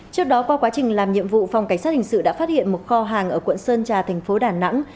trước đó qua quá trình làm nhiệm vụ phòng cảnh sát hình sự đã phát hiện một kho hàng ở quận sơn trà thành phố đà nẵng